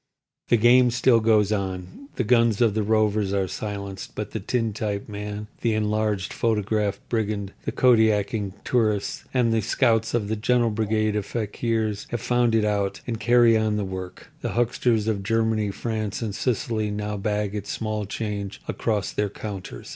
The game still goes on. The guns of the rovers are silenced; but the tintype man, the enlarged photograph brigand, the kodaking tourist and the scouts of the gentle brigade of fakirs have found it out, and carry on the work. The hucksters of Germany, France, and Sicily now bag its small change across their counters.